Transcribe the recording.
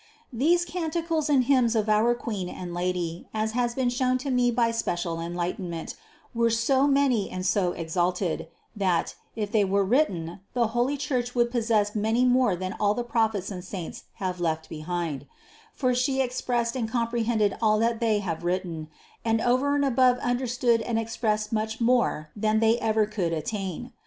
These canticles and hymns of our Queen and Lady, as has been shown to me by special enlightenment, were so many and so exalted, that, if they were written, the holy Church would possess many more than all the Prophets and Saints have left behind ; for She expressed and comprehended all that they have written, and over and above understood and expressed much more than they ever could attain.